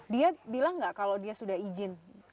dia bilang nggak kalau dia sudah izin